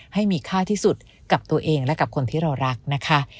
ให้มีค่าที่สุดกับตัวเองและกับคนที่เรารักนะคะ